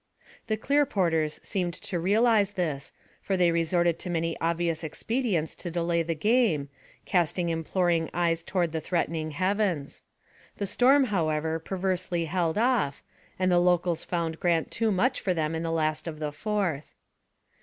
The Clearporters seemed to realize this, for they resorted to many obvious expedients to delay the game, casting imploring eyes toward the threatening heavens. The storm, however, perversely held off, and the locals found Grant too much for them in the last of the fourth.